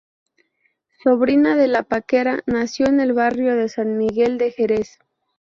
Sobrina de La Paquera, nació en el Barrio de San Miguel de Jerez.